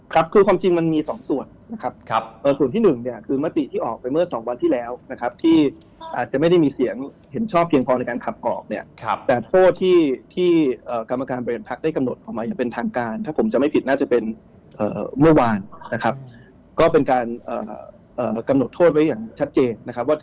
ครับคือความจริงมันมีสองส่วนนะครับส่วนที่หนึ่งเนี่ยคือมติที่ออกไปเมื่อสองวันที่แล้วนะครับที่อาจจะไม่ได้มีเสียงเห็นชอบเพียงพอในการขับออกเนี่ยแต่โทษที่ที่กรรมการบริหารพักได้กำหนดออกมาอย่างเป็นทางการถ้าผมจะไม่ผิดน่าจะเป็นเมื่อวานนะครับก็เป็นการกำหนดโทษไว้อย่างชัดเจนนะครับว่า